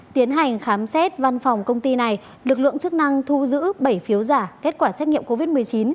tiến hành khám xét văn phòng công ty này lực lượng chức năng thu giữ bảy phiếu giả kết quả xét nghiệm covid một mươi chín